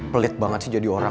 pelit banget sih jadi orang